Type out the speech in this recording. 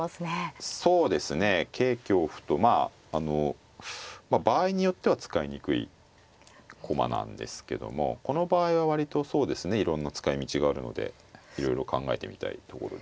そうですね桂香歩とまああの場合によっては使いにくい駒なんですけどもこの場合は割といろんな使いみちがあるのでいろいろ考えてみたいところですよね。